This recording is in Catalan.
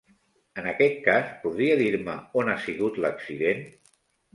En aquest cas, podria dir-me on ha sigut l'accident?